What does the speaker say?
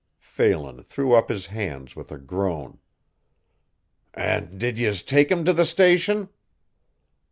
Phelan threw up his hands with a groan. "An' did yez take him to the station?"